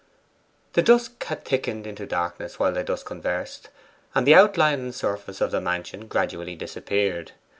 The dusk had thickened into darkness while they thus conversed, and the outline and surface of the mansion gradually disappeared.